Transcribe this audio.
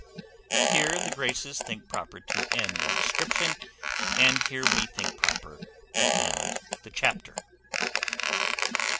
Here the Graces think proper to end their description, and here we think proper to end the chapter.